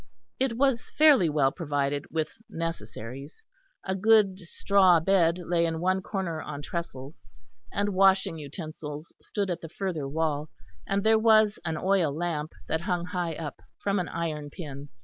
It was fairly well provided with necessaries: a good straw bed lay in one corner on trestles; and washing utensils stood at the further wall; and there was an oil lamp that hung high up from an iron pin.